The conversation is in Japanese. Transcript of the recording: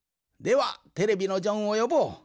ではテレビのジョンをよぼう。